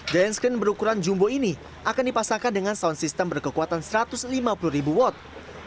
dian screen berukuran jumbo ini akan dipasangkan dengan sound system berkekuatan satu ratus lima puluh ribu watt